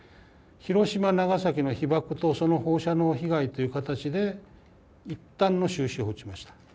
広島・長崎の被爆とその放射能被害という形でいったんの終止符を打ちました。